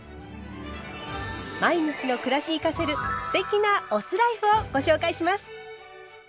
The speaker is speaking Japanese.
毎日の暮らしに生かせる“酢テキ”なお酢ライフをご紹介します。